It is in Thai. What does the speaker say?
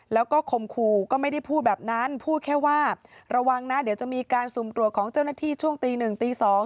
แล้วก็ข่มขู่ก็ไม่ได้พูดแบบนั้นพูดแค่ว่าระวังนะเดี๋ยวจะมีการสุ่มตรวจของเจ้าหน้าที่ช่วงตีหนึ่งตี๒